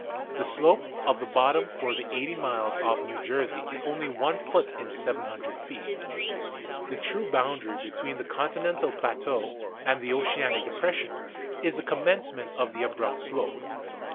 The slope of the bottom for the 80 miles off New Jersey is only 1 foot in 700 feet. The true boundary between the continental plateau and the oceanic depression is the commencement of the abrupt slope.